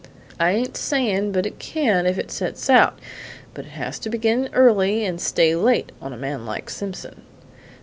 "I ain't sayin' but it can if it sets out, but it has to begin early and stay late on a man like Simpson."